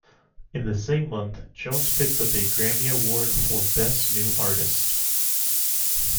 In the same month, Jones picked up a Grammy Award for Best New Artist.